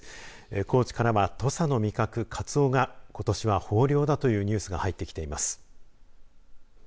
高知からは土佐の味覚、カツオがことしは豊漁だというニュースが入ってきています。